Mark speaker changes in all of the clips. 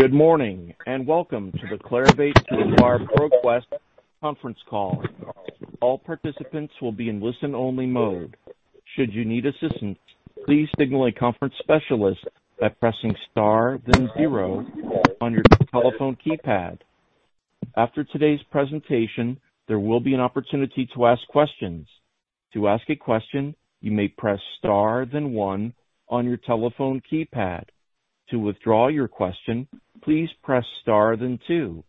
Speaker 1: Good morning, and welcome to the Clarivate to acquire ProQuest conference call. All participants will be in listen-only mode. Should you need assistance, please signal a conference specialist by pressing star then zero on your telephone keypad. After today's presentation, there will be an opportunity to ask questions. To ask a question, you may press star then one on your telephone keypad. To withdraw your question, please press star then two.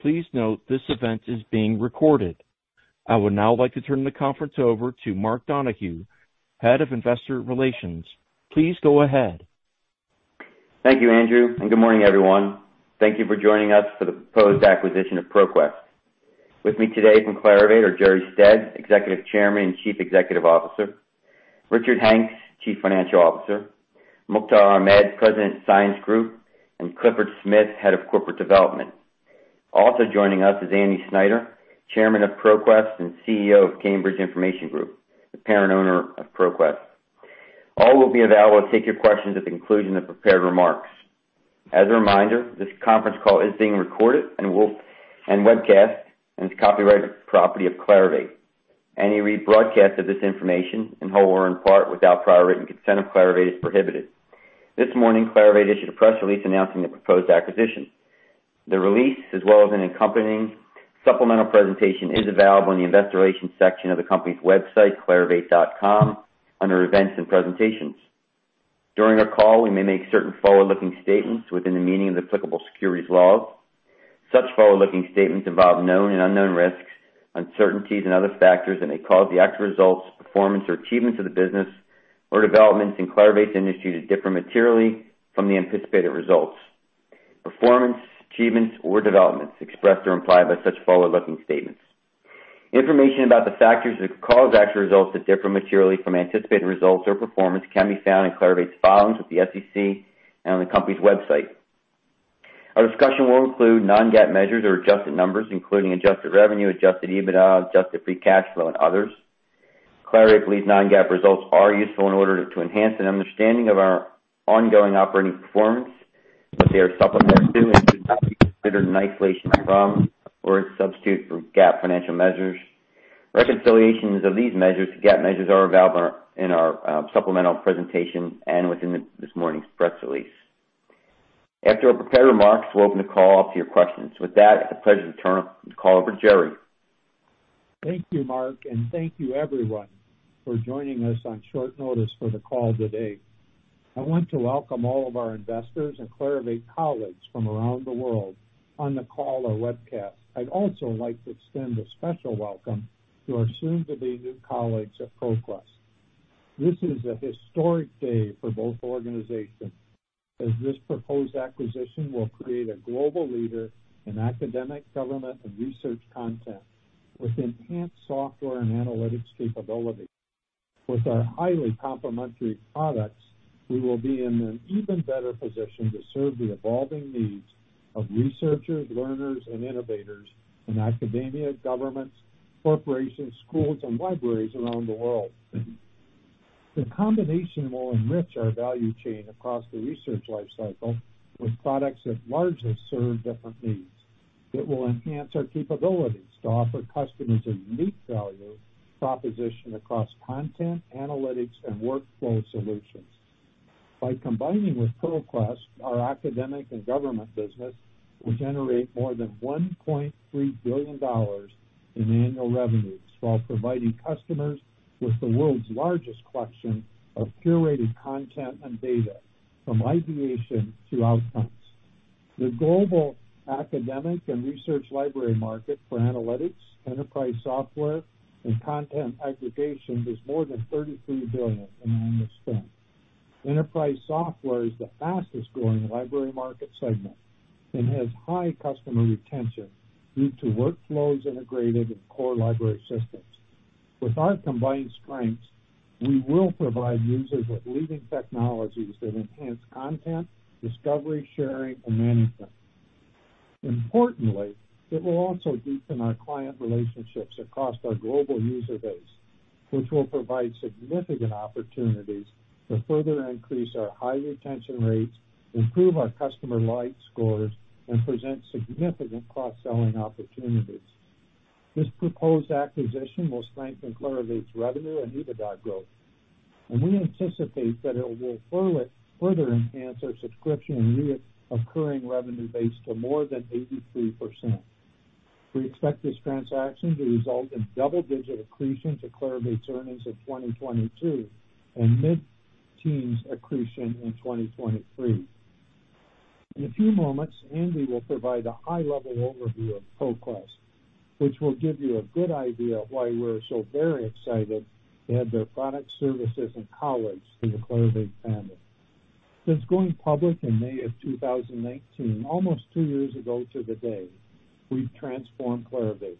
Speaker 1: Please note this event is being recorded. Would now like to turn the conference over to Mark Donohue, Head of Investor Relations. Please go ahead.
Speaker 2: Thank you, Andrew, and good morning, everyone. Thank you for joining us for the proposed acquisition of ProQuest. With me today from Clarivate are Jerre Stead, Executive Chairman and Chief Executive Officer, Richard Hanks, Chief Financial Officer, Mukhtar Ahmed, President, Science Group, and Clifford Smith, Head of Corporate Development. Also joining us is Andy Snyder, Chairman of ProQuest and CEO of Cambridge Information Group, the parent owner of ProQuest. All will be available to take your questions at the conclusion of prepared remarks. As a reminder, this conference call is being recorded and webcast, and it's copyrighted property of Clarivate. Any rebroadcast of this information, in whole or in part, without prior written consent of Clarivate is prohibited. This morning, Clarivate issued a press release announcing the proposed acquisition. The release, as well as an accompanying supplemental presentation, is available on the Investor Relations section of the company's website, clarivate.com, under events and presentations. During our call, we may make certain forward-looking statements within the meaning of the applicable securities laws. Such forward-looking statements involve known and unknown risks, uncertainties, and other factors that may cause the actual results, performance, or achievements of the business or developments in Clarivate's industry to differ materially from the anticipated results, performance, achievements, or developments expressed or implied by such forward-looking statements. Information about the factors that could cause actual results to differ materially from anticipated results or performance can be found in Clarivate's filings with the SEC and on the company's website. Our discussion will include non-GAAP measures or adjusted numbers, including adjusted revenue, adjusted EBITDA, adjusted free cash flow, and others. Clarivate believes non-GAAP results are useful in order to enhance an understanding of our ongoing operating performance, but they are supplementary and should not be considered in isolation from or a substitute for GAAP financial measures. Reconciliations of these measures to GAAP measures are available in our supplemental presentation and within this morning's press release. After our prepared remarks, we'll open the call up to your questions. With that, it's a pleasure to turn the call over to Jerre.
Speaker 3: Thank you, Mark, and thank you everyone for joining us on short notice for the call today. I want to welcome all of our investors and Clarivate colleagues from around the world on the call or webcast. I'd also like to extend a special welcome to our soon-to-be new colleagues at ProQuest. This is a historic day for both organizations, as this proposed acquisition will create a global leader in academic, government, and research content with enhanced software and analytics capability. With our highly complementary products, we will be in an even better position to serve the evolving needs of researchers, learners, and innovators in academia, governments, corporations, schools, and libraries around the world. The combination will enrich our value chain across the research life cycle with products that largely serve different needs. It will enhance our capabilities to offer customers a unique value proposition across content, analytics, and workflow solutions. By combining with ProQuest, our Academic and Government business will generate more than $1.3 billion in annual revenues while providing customers with the world's largest collection of curated content and data from ideation to outcomes. The global academic and research library market for analytics, enterprise software, and content aggregation is more than $33 billion in annual spend. Enterprise software is the fastest-growing library market segment and has high customer retention due to workflows integrated in core library systems. With our combined strengths, we will provide users with leading technologies that enhance content, discovery, sharing, and management. Importantly, it will also deepen our client relationships across our global user base, which will provide significant opportunities to further increase our high retention rates, improve our [customer light scores], and present significant cross-selling opportunities. This proposed acquisition will strengthen Clarivate's revenue and EBITDA growth. We anticipate that it will further enhance our subscription and reoccurring revenue base to more than 83%. We expect this transaction to result in double-digit accretion to Clarivate's earnings in 2022 and mid-teens accretion in 2023. In a few moments, Andy will provide a high-level overview of ProQuest, which will give you a good idea of why we're so very excited to add their products, services, and colleagues to the Clarivate family. Since going public in May of 2019, almost two years ago to the day, we've transformed Clarivate.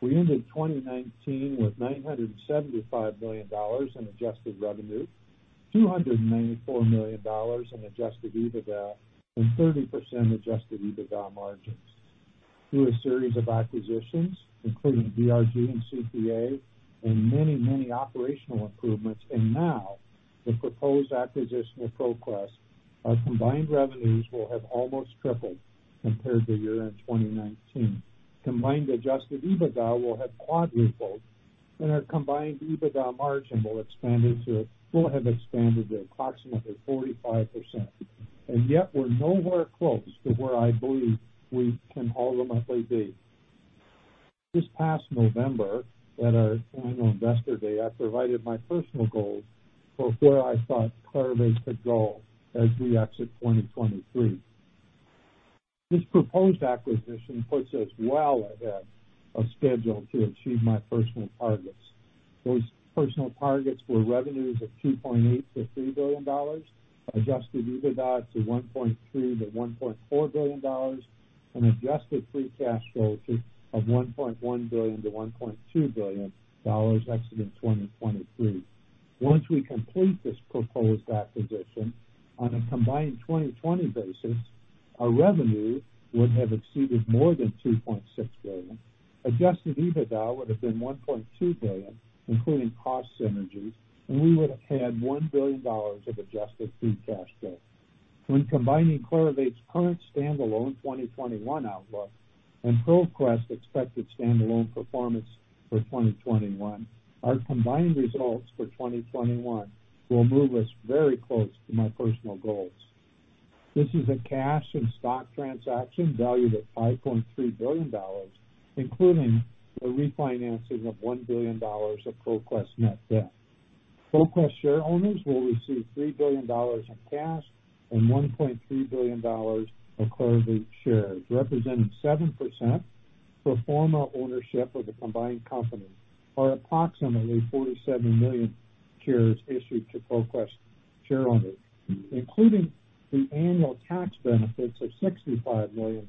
Speaker 3: We ended 2019 with $975 million in adjusted revenue, $294 million in adjusted EBITDA, and 30% adjusted EBITDA margins. Through a series of acquisitions, including DRG and CPA, and many operational improvements, and now the proposed acquisition of ProQuest, our combined revenues will have almost tripled compared to year-end 2019. Combined adjusted EBITDA will have quadrupled. Our combined EBITDA margin will have expanded to approximately 45%. Yet we're nowhere close to where I believe we can ultimately be. This past November, at our annual investor day, I provided my personal goals for where I thought Clarivate could go as we exit 2023. This proposed acquisition puts us well ahead of schedule to achieve my personal targets. Those personal targets were revenues of $2.8 billion-$3 billion, adjusted EBITDA to $1.3 billion-$1.4 billion, and adjusted free cash flow to of $1.1 billion-$1.2 billion exiting 2023. Once we complete this proposed acquisition, on a combined 2020 basis, our revenues would have exceeded more than $2.6 billion. Adjusted EBITDA would have been $1.2 billion, including cost synergies, and we would have had $1 billion of adjusted free cash flow. When combining Clarivate's current standalone 2021 outlook and ProQuest's expected standalone performance for 2021, our combined results for 2021 will move us very close to my personal goals. This is a cash and stock transaction valued at $5.3 billion, including the refinancing of $1 billion of ProQuest net debt. ProQuest shareowners will receive $3 billion in cash and $1.3 billion of Clarivate shares, representing 7% pro forma ownership of the combined company, or approximately 47 million shares issued to ProQuest shareowners. Including the annual tax benefits of $65 million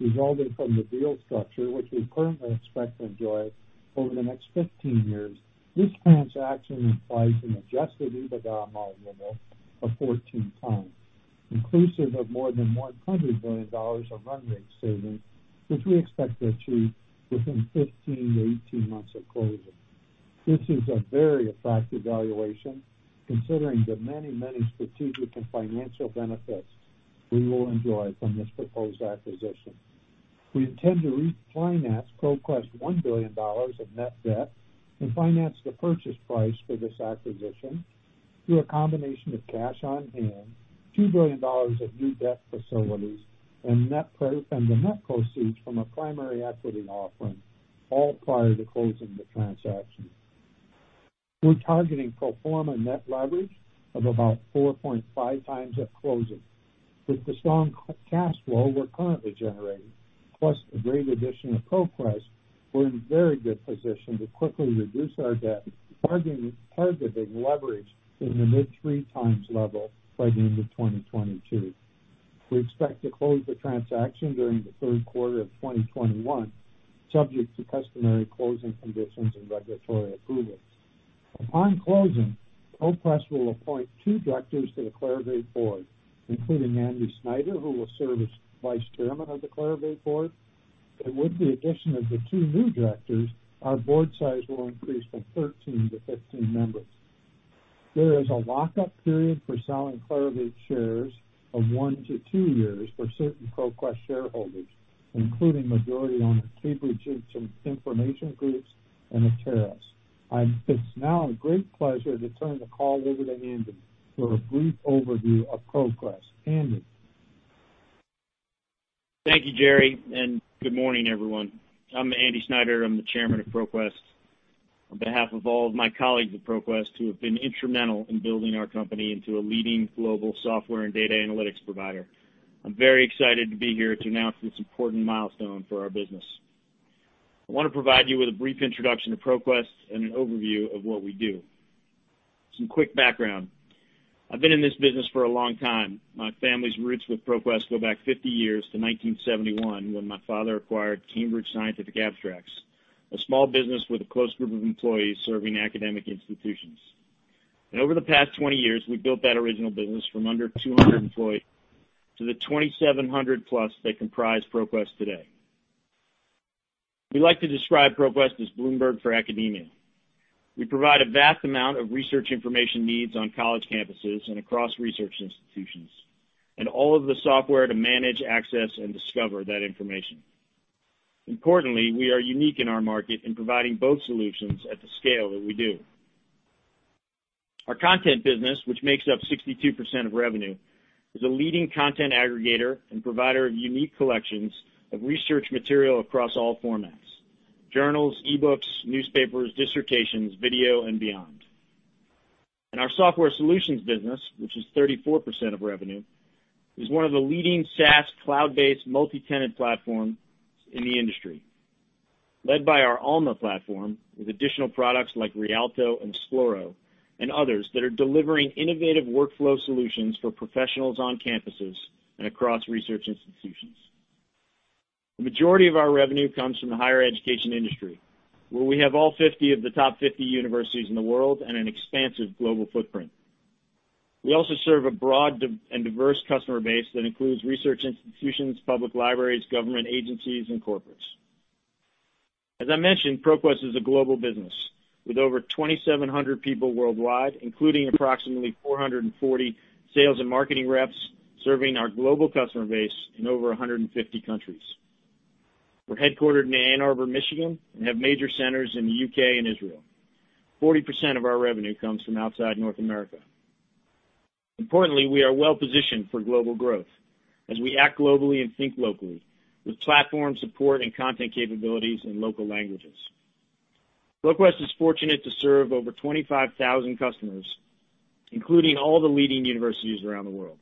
Speaker 3: resulting from the deal structure, which we currently expect to enjoy over the next 15 years, this transaction implies an adjusted EBITDA multiple of 14x, inclusive of more than $100 million of run rate savings that we expect to achieve within 15-18 months of closing. This is a very attractive valuation considering the many strategic and financial benefits we will enjoy from this proposed acquisition. We intend to refinance ProQuest's $1 billion of net debt and finance the purchase price for this acquisition through a combination of cash on hand, $2 billion of new debt facilities, and the net proceeds from a primary equity offering, all prior to closing the transaction. We're targeting pro forma net leverage of about 4.5x at closing. With the strong cash flow we're currently generating, plus the great addition of ProQuest, we're in very good position to quickly reduce our debt, targeting leverage in the mid-3x level by the end of 2022. We expect to close the transaction during the third quarter of 2021, subject to customary closing conditions and regulatory approvals. Upon closing, ProQuest will appoint two directors to the Clarivate board, including Andy Snyder, who will serve as Vice Chairman of the Clarivate board. With the addition of the two new directors, our Board size will increase from 13 to 15 members. There is a lock-up period for selling Clarivate shares of one to two years for certain ProQuest shareholders, including majority owners Cambridge Information Group and Atairos. It's now a great pleasure to turn the call over to Andy for a brief overview of ProQuest. Andy?
Speaker 4: Thank you, Jerre, good morning, everyone. I'm Andy Snyder. I'm the Chairman of ProQuest. On behalf of all of my colleagues at ProQuest who have been instrumental in building our company into a leading global software and data analytics provider, I'm very excited to be here to announce this important milestone for our business. I want to provide you with a brief introduction to ProQuest and an overview of what we do. Some quick background. I've been in this business for a long time. My family's roots with ProQuest go back 50 years to 1971, when my father acquired Cambridge Scientific Abstracts, a small business with a close group of employees serving academic institutions. Over the past 20 years, we've built that original business from under 200 employees to the 2,700+ that comprise ProQuest today. We like to describe ProQuest as Bloomberg for academia. We provide a vast amount of research information needs on college campuses and across research institutions, and all of the software to manage, access, and discover that information. Importantly, we are unique in our market in providing both solutions at the scale that we do. Our content business, which makes up 62% of revenue, is a leading content aggregator and provider of unique collections of research material across all formats: journals, e-books, newspapers, dissertations, video, and beyond. Our software solutions business, which is 34% of revenue, is one of the leading SaaS cloud-based multi-tenant platforms in the industry. Led by our Alma platform, with additional products like Rialto and Esploro and others that are delivering innovative workflow solutions for professionals on campuses and across research institutions. The majority of our revenue comes from the higher education industry, where we have all 50 of the top 50 universities in the world and an expansive global footprint. We also serve a broad and diverse customer base that includes research institutions, public libraries, government agencies, and corporates. As I mentioned, ProQuest is a global business with over 2,700 people worldwide, including approximately 440 sales and marketing reps serving our global customer base in over 150 countries. We're headquartered in Ann Arbor, Michigan, and have major centers in the U.K. and Israel. 40% of our revenue comes from outside North America. Importantly, we are well-positioned for global growth as we act globally and think locally with platform support and content capabilities in local languages. ProQuest is fortunate to serve over 25,000 customers, including all the leading universities around the world.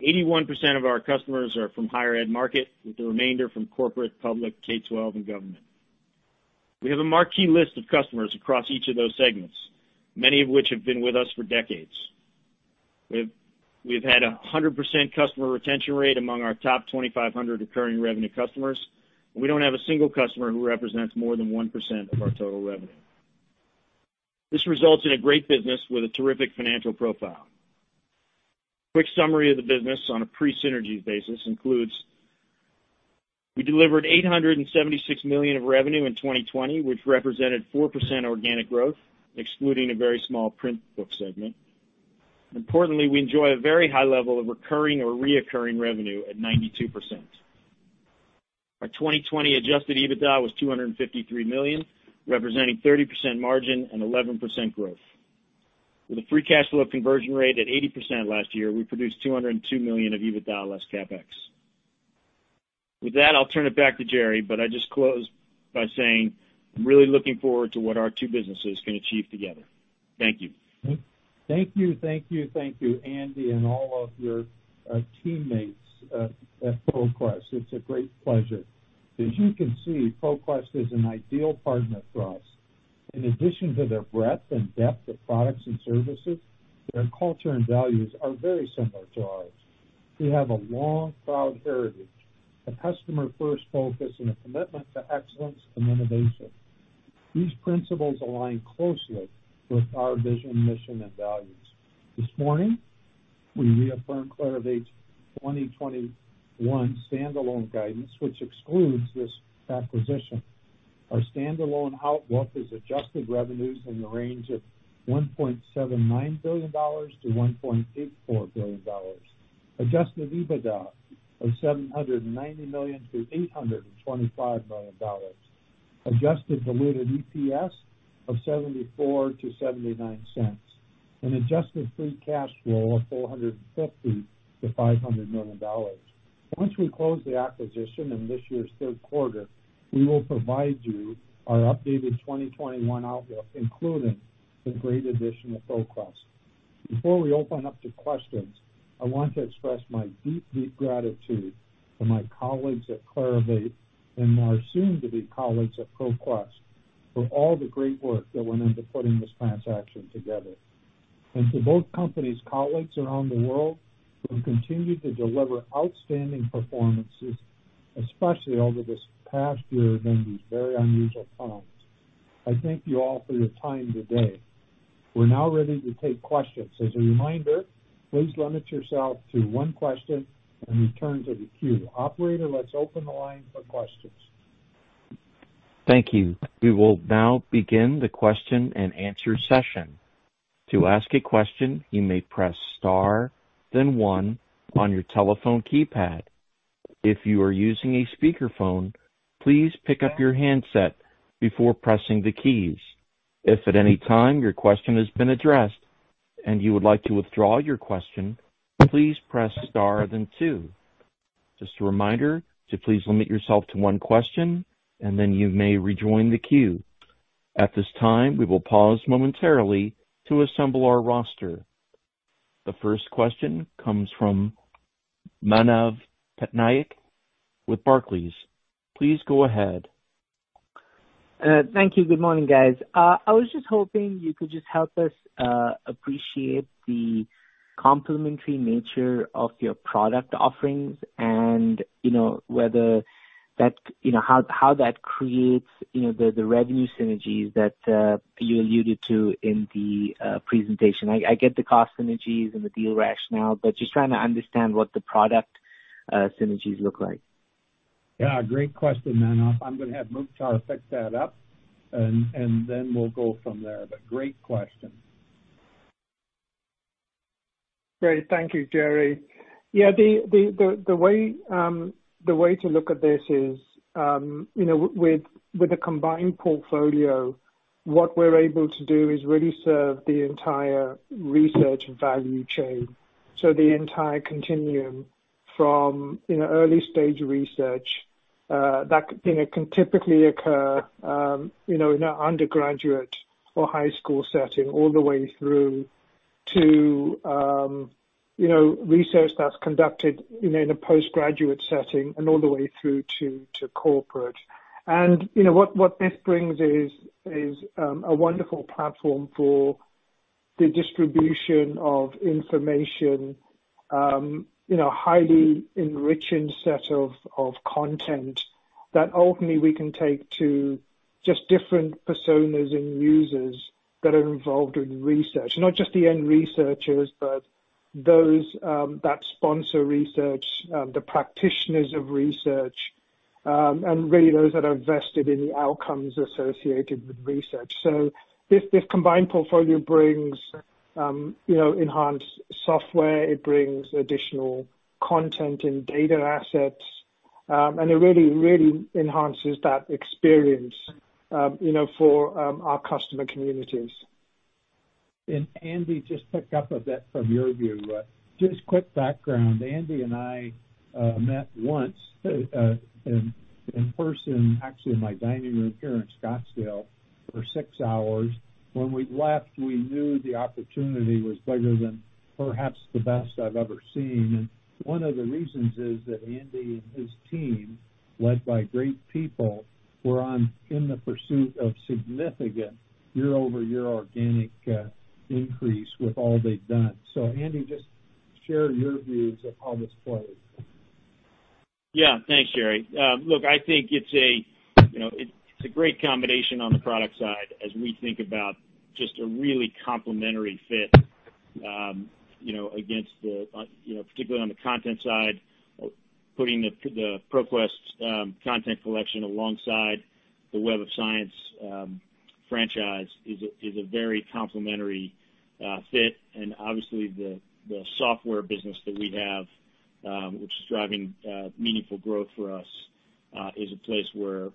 Speaker 4: 81% of our customers are from higher ed market, with the remainder from corporate, public, K-12, and government. We have a marquee list of customers across each of those segments, many of which have been with us for decades. We've had 100% customer retention rate among our top 2,500 recurring revenue customers, and we don't have a single customer who represents more than 1% of our total revenue. This results in a great business with a terrific financial profile. Quick summary of the business on a pre-synergy basis includes, we delivered $876 million revenue in 2020, which represented 4% organic growth, excluding a very small print book segment. Importantly, we enjoy a very high level of recurring or reoccurring revenue at 92%. Our 2020 adjusted EBITDA was $253 million, representing 30% margin and 11% growth. With a free cash flow conversion rate at 80% last year, we produced $202 million of EBITDA less CapEx. With that, I'll turn it back to Jerre, but I just close by saying I'm really looking forward to what our two businesses can achieve together. Thank you.
Speaker 3: Thank you, Andy, and all of your teammates at ProQuest. It's a great pleasure. As you can see, ProQuest is an ideal partner for us. In addition to their breadth and depth of products and services, their culture and values are very similar to ours. They have a long, proud heritage, a customer-first focus, and a commitment to excellence and innovation. These principles align closely with our vision, mission, and values. This morning, we reaffirmed Clarivate's 2021 standalone guidance, which excludes this acquisition. Our standalone outlook is adjusted revenues in the range of $1.79 billion-$1.84 billion, adjusted EBITDA of $790 million-$825 million, adjusted diluted EPS of $0.74-$0.79, and adjusted free cash flow of $450 million-$500 million. Once we close the acquisition in this year's third quarter, we will provide you our updated 2021 outlook, including the great addition of ProQuest. Before we open up to questions, I want to express my deep gratitude to my colleagues at Clarivate and my soon-to-be colleagues at ProQuest for all the great work that went into putting this transaction together. To both companies' colleagues around the world who have continued to deliver outstanding performances, especially over this past year during these very unusual times, I thank you all for your time today. We're now ready to take questions. As a reminder, please limit yourself to one question when you turn to the queue. Operator, let's open the line for questions.
Speaker 1: Thank you. We will now begin the question-and-answer session. To ask a question, you may press star then one on your telephone keypad. If you are using a speakerphone, please pick up your handset before pressing the keys. If at any time your question has been addressed and you would like to withdraw your question, please press star then two. Just a reminder to please limit yourself to one question, and then you may rejoin the queue. At this time, we will pause momentarily to assemble our roster. The first question comes from Manav Patnaik with Barclays. Please go ahead.
Speaker 5: Thank you. Good morning, guys. I was just hoping you could just help us appreciate the complementary nature of your product offerings and how that creates the revenue synergies that you alluded to in the presentation. I get the cost synergies and the deal rationale, but just trying to understand what the product synergies look like.
Speaker 3: Yeah. Great question, Manav. I'm going to have Mukhtar set that up, and then we'll go from there. Great question.
Speaker 6: Great. Thank you, Jerre. The way to look at this is, with the combined portfolio, what we're able to do is really serve the entire research value chain. The entire continuum from early-stage research that can typically occur in an undergraduate or high school setting all the way through to research that's conducted in a post-graduate setting and all the way through to corporate. What this brings is a wonderful platform for the distribution of information, highly enriching set of content that ultimately we can take to just different personas and users that are involved in research. Not just the end researchers, but that sponsor research, the practitioners of research, and really those that are vested in the outcomes associated with research. This combined portfolio brings enhanced software. It brings additional content and data assets. It really enhances that experience for our customer communities.
Speaker 3: Andy, just pick up a bit from your view. Just quick background, Andy and I met once in person, actually in my dining room here in Scottsdale, for six hours. When we left, we knew the opportunity was bigger than perhaps the best I've ever seen. One of the reasons is that Andy and his team, led by great people, were in the pursuit of significant year-over-year organic increase with all they've done. Andy, just share your views of how this plays.
Speaker 4: Yeah. Thanks, Jerre. I think it's a great combination on the product side as we think about just a really complementary fit particularly on the content side. Putting the ProQuest content collection alongside the Web of Science franchise is a very complementary fit. Obviously the software business that we have, which is driving meaningful growth for us, is a place where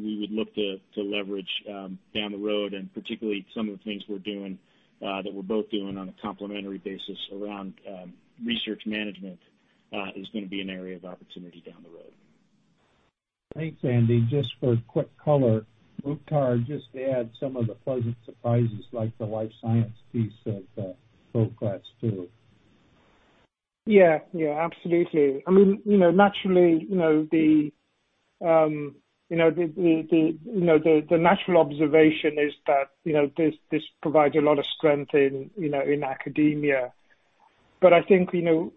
Speaker 4: we would look to leverage down the road, and particularly some of the things that we're both doing on a complementary basis around research management is going to be an area of opportunity down the road.
Speaker 3: Thanks, Andy. Just for quick color, Mukhtar, just add some of the pleasant surprises, like the Life Science piece of ProQuest, too.
Speaker 6: Yeah. Absolutely. The natural observation is that this provides a lot of strength in academia. I think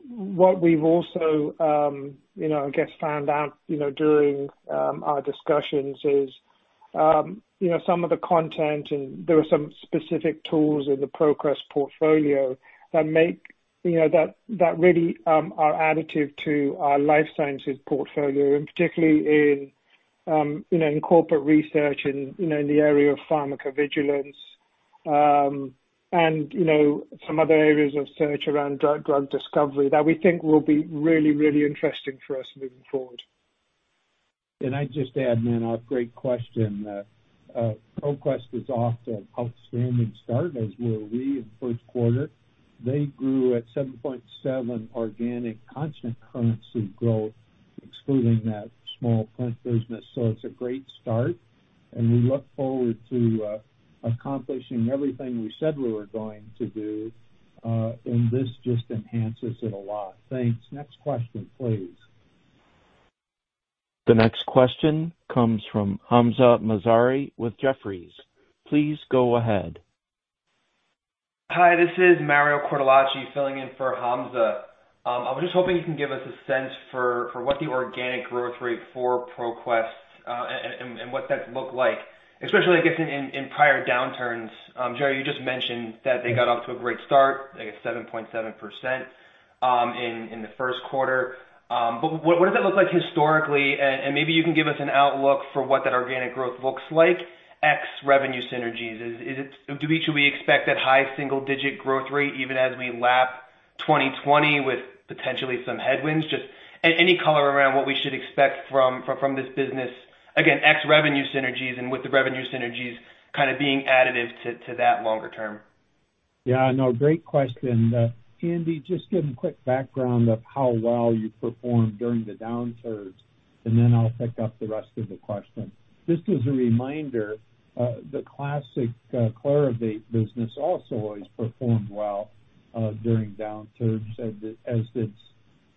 Speaker 6: what we've also, I guess, found out during our discussions is some of the content, and there are some specific tools in the ProQuest portfolio that really are additive to our Life Sciences portfolio, and particularly in corporate research in the area of pharmacovigilance. Some other areas of search around drug discovery that we think will be really interesting for us moving forward.
Speaker 3: Can I just add in? A great question. ProQuest is off to an outstanding start, as were we in the first quarter. They grew at 7.7% organic constant currency growth, excluding that small print business. It's a great start, and we look forward to accomplishing everything we said we were going to do. This just enhances it a lot. Thanks. Next question, please.
Speaker 1: The next question comes from Hamzah Mazari with Jefferies. Please go ahead.
Speaker 7: Hi, this is Mario Cortellacci filling in for Hamzah. I was just hoping you can give us a sense for what the organic growth rate for ProQuest, and what that looked like, especially, I guess, in prior downturns. Jerre, you just mentioned that they got off to a great start, I guess 7.7% in the first quarter. What does that look like historically? Maybe you can give us an outlook for what that organic growth looks like, ex revenue synergies. Should we expect that high single-digit growth rate even as we lap 2020 with potentially some headwinds? Just any color around what we should expect from this business, again, ex revenue synergies and with the revenue synergies kind of being additive to that longer term.
Speaker 3: Yeah, no, great question. Andy, just give them quick background of how well you performed during the downturns, and then I'll pick up the rest of the question. Just as a reminder, the classic Clarivate business also has performed well during downturns as did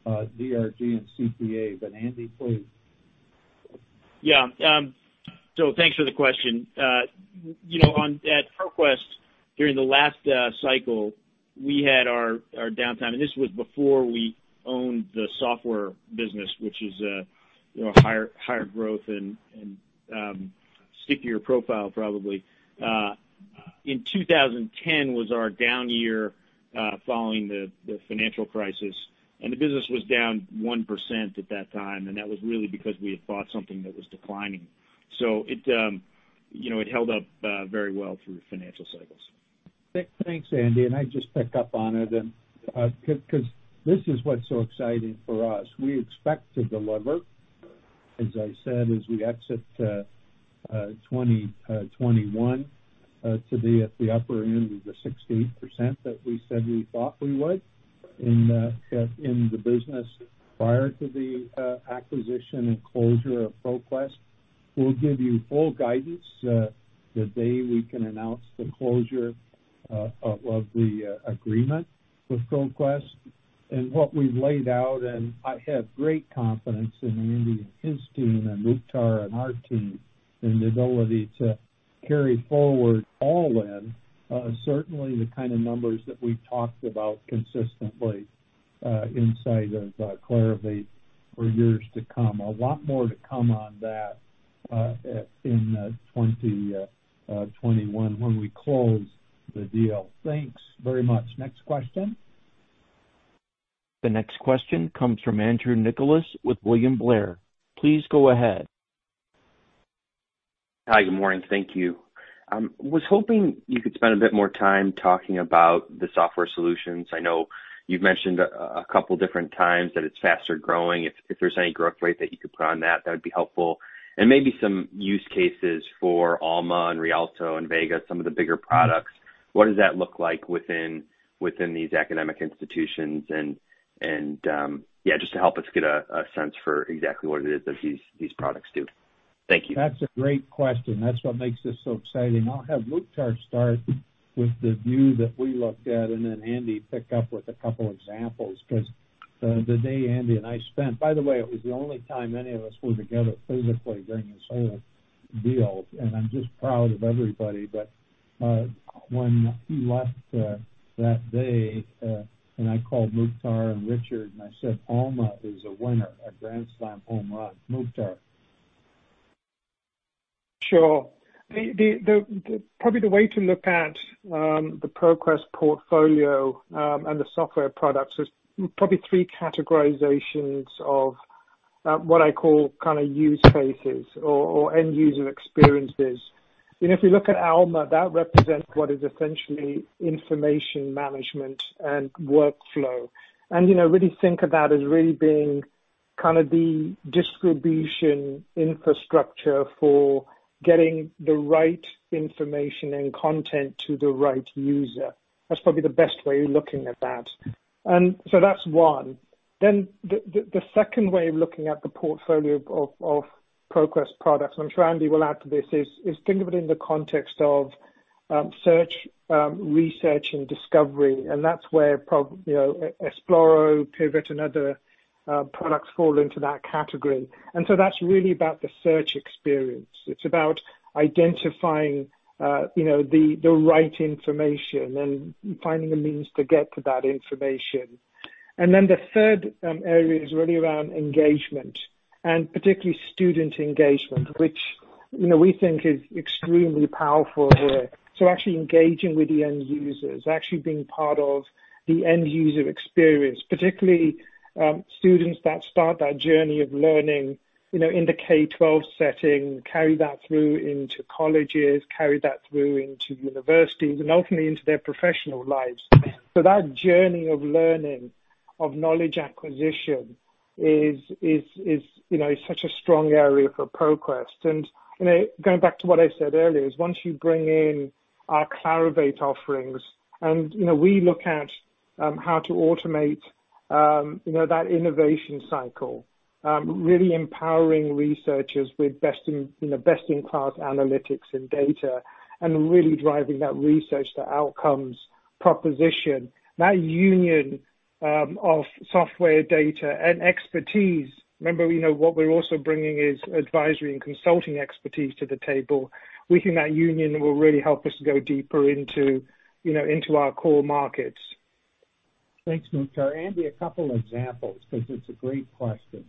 Speaker 3: DRG and CPA. Andy, please.
Speaker 4: Yeah. Thanks for the question. At ProQuest, during the last cycle, we had our downtime, and this was before we owned the software business, which is higher growth and stickier profile probably. In 2010 was our down year following the financial crisis, and the business was down 1% at that time, and that was really because we had bought something that was declining. It held up very well through financial cycles.
Speaker 3: Thanks, Andy. I just pick up on it, because this is what's so exciting for us. We expect to deliver, as I said, as we exit 2021, to be at the upper end of the 6%-8% that we said we thought we would in the business prior to the acquisition and closure of ProQuest. We'll give you full guidance the day we can announce the closure of the agreement with ProQuest. What we've laid out, and I have great confidence in Andy and his team and Mukhtar and our team in the ability to carry forward all in, certainly the kind of numbers that we've talked about consistently inside of Clarivate for years to come. A lot more to come on that in 2021 when we close the deal. Thanks very much. Next question.
Speaker 1: The next question comes from Andrew Nicholas with William Blair. Please go ahead.
Speaker 8: Hi, good morning. Thank you. I was hoping you could spend a bit more time talking about the software solutions. I know you've mentioned a couple different times that it's faster growing. If there's any growth rate that you could put on that would be helpful. Maybe some use cases for Alma and Rialto and Vega, some of the bigger products. What does that look like within these academic institutions, and just to help us get a sense for exactly what it is that these products do. Thank you.
Speaker 3: That's a great question. That's what makes this so exciting. I'll have Mukhtar start with the view that we looked at, and then Andy pick up with a couple examples, because the day Andy and I spent. By the way, it was the only time any of us were together physically during this whole deal, and I'm just proud of everybody. When he left that day, and I called Mukhtar and Richard and I said, "Alma is a winner, a grand slam home run." Mukhtar.
Speaker 6: Sure. Probably the way to look at the ProQuest portfolio, and the software products, is probably three categorizations of what I call use cases or end user experiences. If you look at Alma, that represents what is essentially information management and workflow. Really think of that as really being the distribution infrastructure for getting the right information and content to the right user. That's probably the best way of looking at that. That's one. The second way of looking at the portfolio of ProQuest products, and I'm sure Andy will add to this, is think of it in the context of search, research, and discovery. That's where Esploro, Pivot, and other products fall into that category. That's really about the search experience. It's about identifying the right information and finding the means to get to that information. Then the third area is really around engagement, and particularly student engagement, which we think is extremely powerful here. Actually engaging with the end users, actually being part of the end user experience. Particularly, students that start that journey of learning in the K-12 setting, carry that through into colleges, carry that through into universities, and ultimately into their professional lives. That journey of learning, of knowledge acquisition is such a strong area for ProQuest. Going back to what I said earlier, is once you bring in our Clarivate offerings and we look at how to automate that innovation cycle, really empowering researchers with best in class analytics and data, and really driving that research to outcomes proposition. That union of software data and expertise. Remember, what we're also bringing is advisory and consulting expertise to the table. We think that union will really help us go deeper into our core markets.
Speaker 3: Thanks, Mukhtar. Andy, a couple examples, because it's a great question.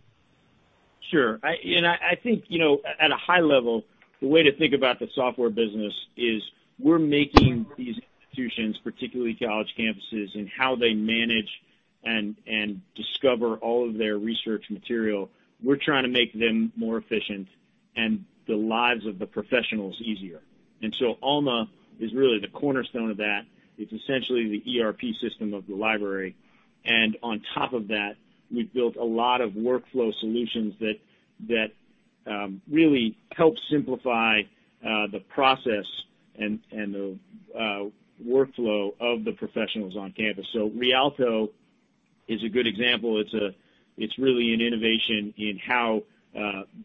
Speaker 4: Sure. I think, at a high level, the way to think about the software business is we're making these institutions, particularly college campuses, and how they manage and discover all of their research material. We're trying to make them more efficient and the lives of the professionals easier. Alma is really the cornerstone of that. It's essentially the ERP system of the library. On top of that, we've built a lot of workflow solutions that really help simplify the process and the workflow of the professionals on campus. Rialto is a good example. It's really an innovation in how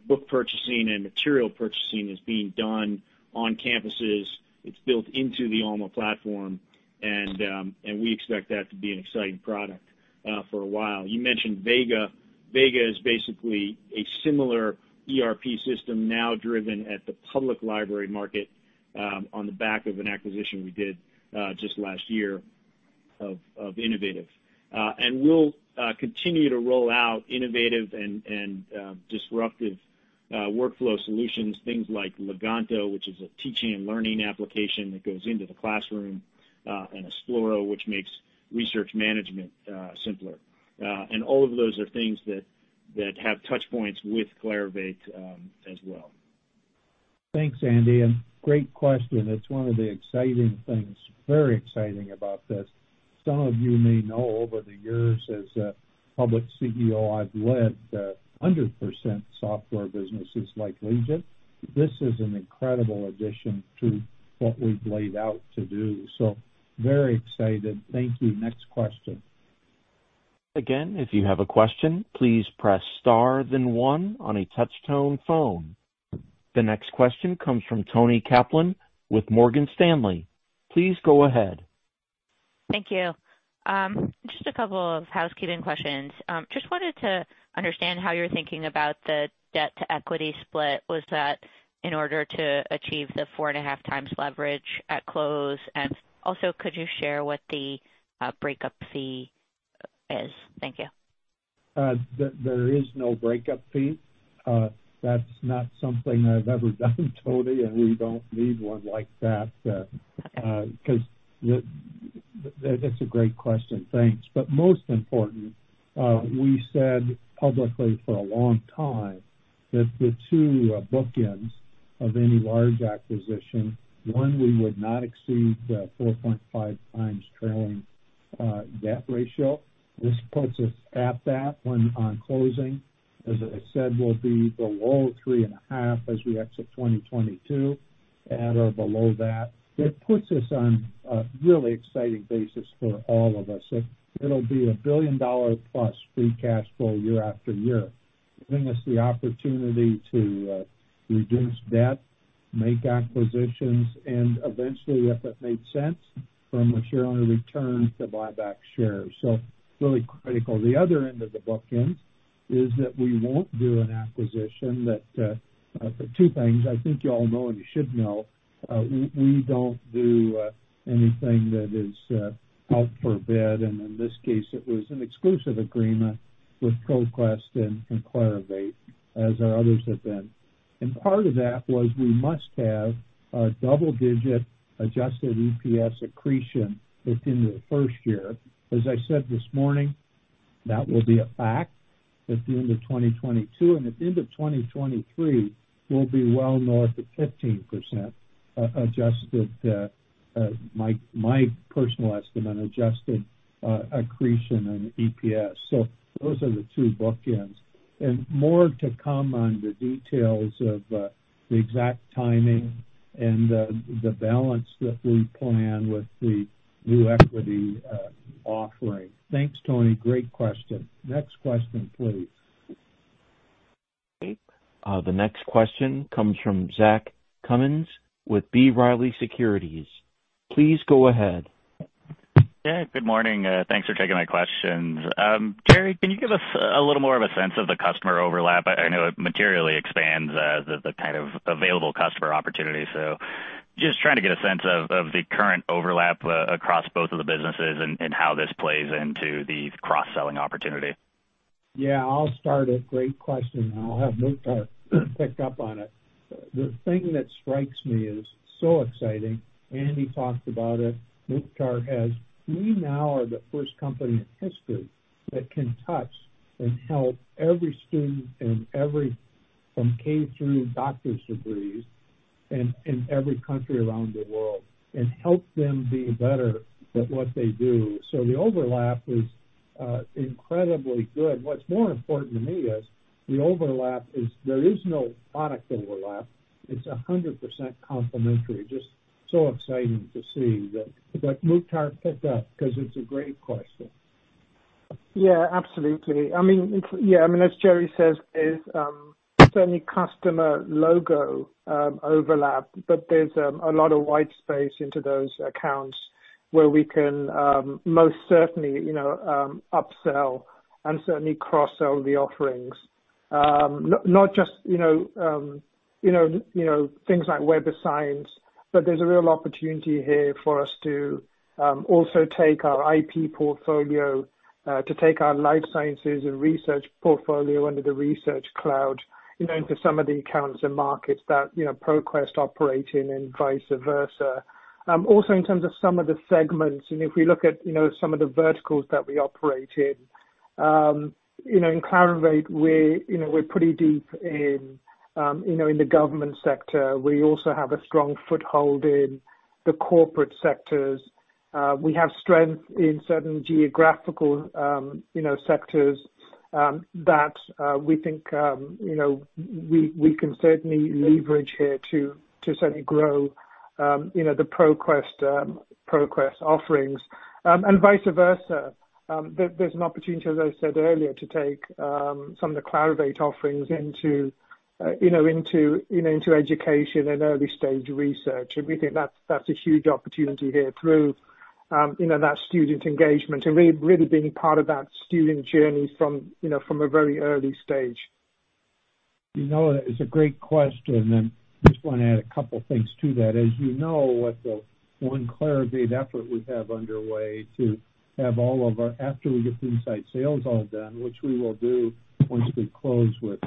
Speaker 4: book purchasing and material purchasing is being done on campuses. It's built into the Alma platform. We expect that to be an exciting product for a while. You mentioned Vega. Vega is basically a similar ERP system now driven at the public library market, on the back of an acquisition we did just last year of Innovative. We'll continue to roll out innovative and disruptive workflow solutions, things like Leganto, which is a teaching and learning application that goes into the classroom, and Esploro, which makes research management simpler. All of those are things that have touch points with Clarivate as well.
Speaker 3: Thanks, Andy, and great question. It's one of the exciting things, very exciting about this. Some of you may know over the years as a public CEO, I've led 100% software businesses like Legent. This is an incredible addition to what we've laid out to do. Very excited. Thank you. Next question.
Speaker 1: Again, if you have a question, please press star then one on a touchtone phone. The next question comes from Toni Kaplan with Morgan Stanley. Please go ahead.
Speaker 9: Thank you. Just a couple of housekeeping questions. Just wanted to understand how you're thinking about the debt to equity split. Was that in order to achieve the 4.5x leverage at close? Also, could you share what the breakup fee is? Thank you.
Speaker 3: There is no breakup fee. That's not something I've ever done, Toni, and we don't need one like that. That's a great question, thanks. Most important, we said publicly for a long time that the two bookends of any large acquisition, one, we would not exceed the 4.5x trailing debt ratio. This puts us at that one on closing. As I said, we'll be below 3.5x as we exit 2022, at or below that. That puts us on a really exciting basis for all of us. It'll be a billion-dollar plus free cash flow year after year, giving us the opportunity to reduce debt, make acquisitions, and eventually, if it made sense from a return, to buy back shares. Really critical. The other end of the bookend is that we won't do an acquisition that, for two things, I think you all know and you should know, we don't do anything that is out for bid, and in this case, it was an exclusive agreement with ProQuest and Clarivate, as our others have been. Part of that was we must have a double-digit adjusted EPS accretion within the first year. As I said this morning, that will be a fact at the end of 2022, and at the end of 2023, we'll be well north of 15% adjusted, my personal estimate, adjusted accretion on EPS. Those are the two bookends. More to come on the details of the exact timing and the balance that we plan with the new equity offering. Thanks, Toni. Great question. Next question, please.
Speaker 1: Great. The next question comes from Zach Cummins with B. Riley Securities. Please go ahead.
Speaker 10: Yeah, good morning. Thanks for taking my questions. Jerre, can you give us a little more of a sense of the customer overlap? I know it materially expands the kind of available customer opportunity. Just trying to get a sense of the current overlap across both of the businesses and how this plays into the cross-selling opportunity.
Speaker 3: I'll start it. Great question, I'll have Mukhtar pick up on it. The thing that strikes me as so exciting, Andy talked about it, Mukhtar has. We now are the first company in history that can touch and help every student from K through doctor's degrees in every country around the world and help them be better at what they do. The overlap is incredibly good. What's more important to me is the overlap is there is no product overlap. It's 100% complementary. Just so exciting to see. Let Mukhtar pick up because it's a great question.
Speaker 6: Yeah, absolutely. As Jerre says, there's certainly customer logo overlap, but there's a lot of white space into those accounts where we can most certainly upsell and certainly cross-sell the offerings. Not just things like Web of Science, but there's a real opportunity here for us to also take our IP portfolio, to take our life sciences and research portfolio under the research cloud into some of the accounts and markets that ProQuest operate in and vice versa. In terms of some of the segments, and if we look at some of the verticals that we operate in. In Clarivate, we're pretty deep in the government sector. We also have a strong foothold in the corporate sectors. We have strength in certain geographical sectors that we think we can certainly leverage here to certainly grow the ProQuest offerings. Vice versa. There's an opportunity, as I said earlier, to take some of the Clarivate offerings into education and early stage research. We think that's a huge opportunity here through that student engagement and really being part of that student journey from a very early stage.
Speaker 3: It's a great question. I just want to add a couple things to that. As you know, with the one Clarivate effort we have underway to have all of our, after we get the inside sales all done, which we will do once we close with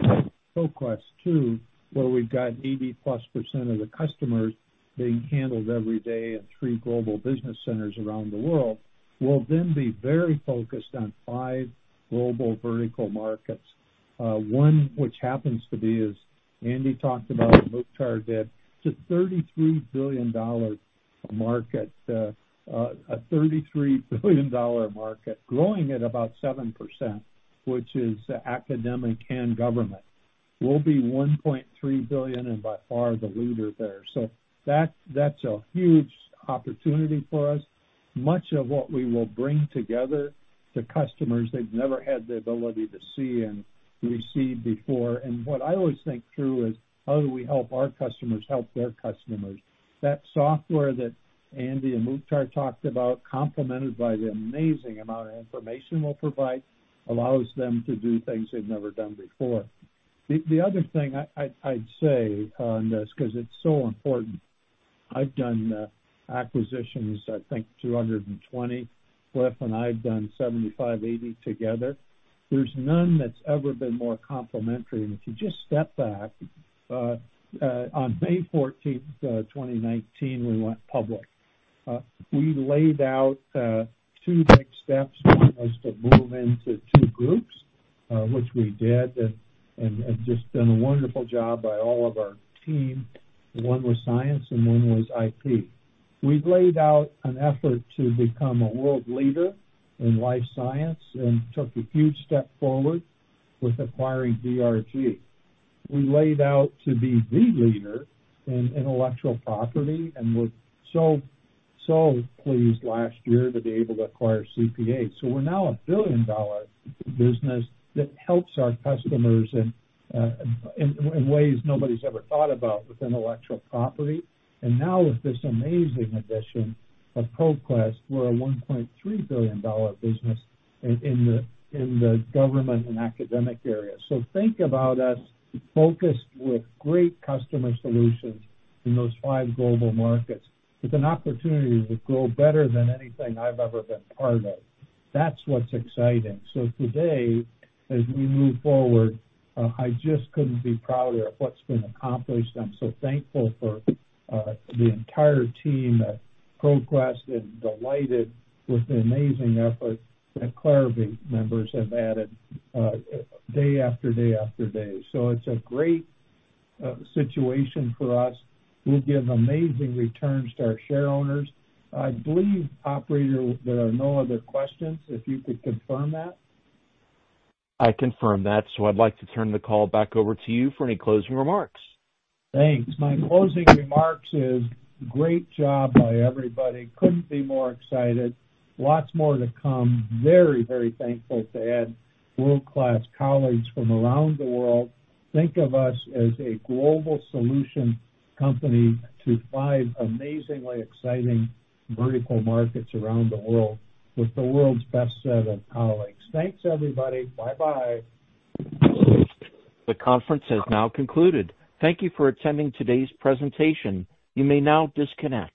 Speaker 3: ProQuest too, where we've got 80%+ of the customers being handled every day in three global business centers around the world. We'll then be very focused on five global vertical markets. One, which happens to be, as Andy talked about, Mukhtar did, it's a $33 billion market. A $33 billion market growing at about 7%, which is Academic and Government. We'll be $1.3 billion, and by far the leader there. That's a huge opportunity for us. Much of what we will bring together to customers, they've never had the ability to see and receive before. What I always think through is how do we help our customers help their customers. That software that Andy and Mukhtar talked about, complemented by the amazing amount of information we'll provide, allows them to do things they've never done before. The other thing I'd say on this, because it's so important. I've done acquisitions, I think 220. Cliff and I've done 75, 80 together. There's none that's ever been more complementary. If you just step back, on May 14th, 2019, we went public. We laid out two big steps for us to move into two groups, which we did, and have just done a wonderful job by all of our team. One was Science and one was IP. We laid out an effort to become a world leader in life science and took a huge step forward with acquiring DRG. We laid out to be the leader in intellectual property, and we're so pleased last year to be able to acquire CPA. We're now a billion-dollar business that helps our customers in ways nobody's ever thought about with intellectual property. Now with this amazing addition of ProQuest, we're a $1.3 billion business in the Government and Academic area. Think about us focused with great customer solutions in those five global markets with an opportunity to grow better than anything I've ever been part of. That's what's exciting. Today, as we move forward, I just couldn't be prouder of what's been accomplished, and I'm so thankful for the entire team at ProQuest and delighted with the amazing effort that Clarivate members have added day after day after day. It's a great situation for us. We'll give amazing returns to our shareholders. I believe, operator, there are no other questions, if you could confirm that.
Speaker 1: I confirm that. I'd like to turn the call back over to you for any closing remarks.
Speaker 3: Thanks. My closing remarks is great job by everybody. Couldn't be more excited. Lots more to come. Very thankful to add world-class colleagues from around the world. Think of us as a global solution company to five amazingly exciting vertical markets around the world with the world's best set of colleagues. Thanks, everybody. Bye-bye.
Speaker 1: The conference has now concluded. Thank you for attending today's presentation. You may now disconnect.